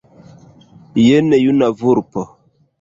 Jen juna vulpo.